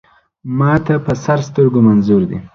ما ته په سر سترګو منظور دی.